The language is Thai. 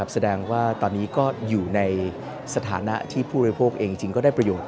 แสดงว่าตอนนี้ก็อยู่ในสถานะที่ผู้บริโภคเองจริงก็ได้ประโยชน